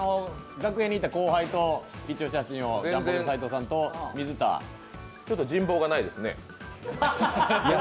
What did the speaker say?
楽屋にいた後輩と一応写真、ジャンポケの斉藤さんとちょっと人望がないですね。